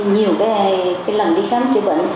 nhiều cái lần đi khám chữa bệnh